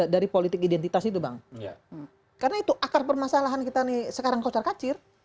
dari politik identitas itu bang karena itu akar permasalahan kita nih sekarang kocar kacir